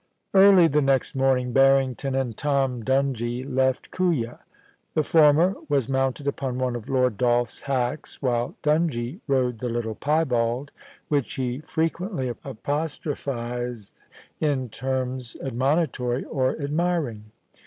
* Early the next morning Barrington and Tom Dungie left Kooya. The former was mounted upon one of Lord Dolph's hacks, while Dungie rode the little piebald, which he fre quently apostrophised in terms admonitory or admiring.